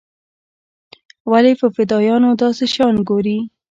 ولې په فدايانو داسې شيان ګوري.